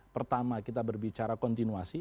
pertama kita berbicara kontinuasi